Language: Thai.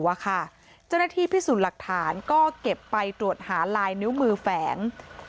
เจ้าหน้าที่พิสูจน์หลักฐานก็เก็บไปตรวจหาลายนิ้วมือแฝง